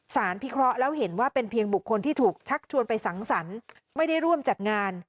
พิเคราะห์แล้วเห็นว่าเป็นเพียงบุคคลที่ถูกชักชวนไปสังสรรค์ไม่ได้ร่วมจัดงาน